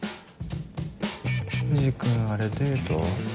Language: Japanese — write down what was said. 藤君あれデート？